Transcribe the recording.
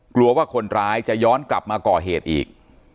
กลัวว่าคนร้ายจะย้อนกลับมาก่อเหตุอีก